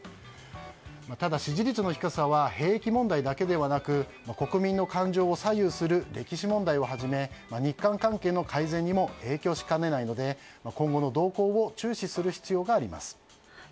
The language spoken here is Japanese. ただ、支持率の低さは兵役問題だけではなく国民の感情を左右する歴史問題を始め日韓関係にも影響しかねないので今後の動向を注視する必要があります。